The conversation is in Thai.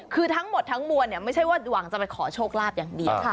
คือทั้งหมดทั้งมวลไม่ใช่ว่าหวังจะไปขอโชคลาภอย่างเดียว